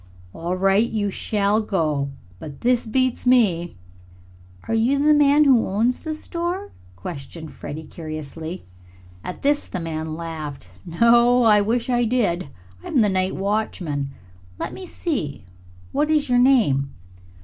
"All right, you shall go. But this beats me!" "Are you the man who owns the store?" questioned Freddie curiously. At this the man laughed. "No; wish I did. I'm the night watchman. Let me see, what is your name?"